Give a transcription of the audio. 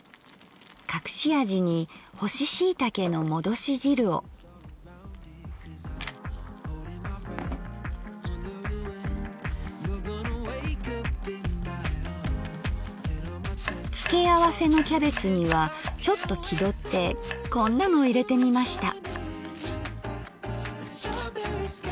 隠し味に付け合わせのキャベツにはちょっと気取ってこんなの入れてみました。